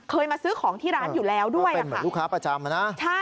เคยมาซื้อของที่ร้านอยู่แล้วด้วยนะคะว่าเป็นเหมือนลูกค้าประจำอ่ะน่ะ